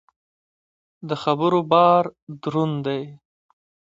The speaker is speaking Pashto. د خبرو بار دروند دی.